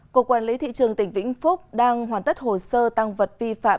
cục quản lý thị trường tỉnh vĩnh phúc đang hoàn tất hồ sơ tăng vật vi phạm